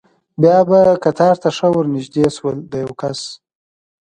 بیا به قطار ته ښه ور نږدې شول، د یو کس.